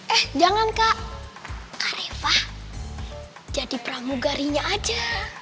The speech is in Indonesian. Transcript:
eh jangan kak karesah jadi pramugarinya aja